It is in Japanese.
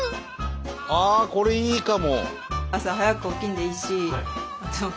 ああこれいいかも！